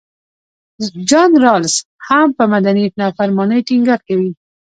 جان رالز هم پر مدني نافرمانۍ ټینګار کوي.